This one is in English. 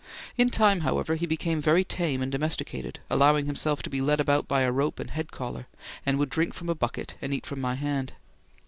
In time, however, he became very tame and domesticated, allowing himself to be led about by a rope and head collar, and would drink from a bucket and eat from my hand.